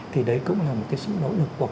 thì đấy cũng là một cái sự nỗ lực của các ngành